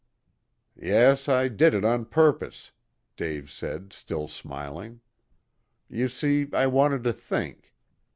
"Yes, I did it on purpose," Dave said, still smiling. "You see I wanted to think.